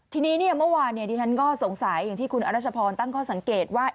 ทีนี้เมื่อวานที่ฉันก็สงสัยอย่างที่คุณอรัชพรตั้งข้อสังเกตว่า